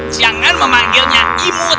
jangan memanggilnya imut